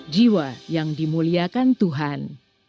jiwa yang dimuliakan tuhan